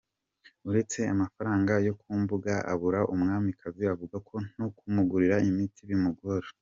Uretse amafaranga yo kumubaga abura, Uwamwiza avuga ko no kumugurira imiti bimugora.